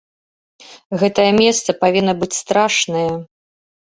Гэтае месца павінна быць страшнае.